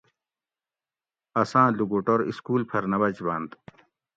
اساں لوگوٹور اسکول پھر نہ بچبنت